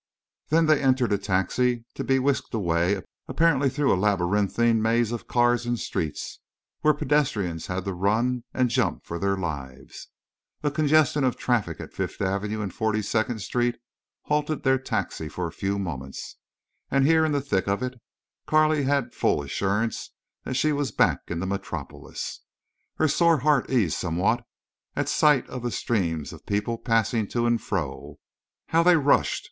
Then they entered a taxi, to be whisked away apparently through a labyrinthine maze of cars and streets, where pedestrians had to run and jump for their lives. A congestion of traffic at Fifth Avenue and Forty second Street halted their taxi for a few moments, and here in the thick of it Carley had full assurance that she was back in the metropolis. Her sore heart eased somewhat at sight of the streams of people passing to and fro. How they rushed!